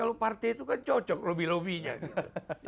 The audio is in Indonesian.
kalau partai itu kan cocok lobby lobby nya gitu